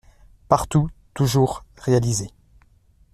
Partout, toujours, réaliser